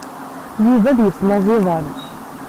Yuba ad yeslaẓ iḍan.